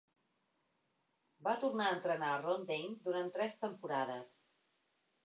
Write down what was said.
Va tornar a entrenar Ron Dayne durant tres temporades.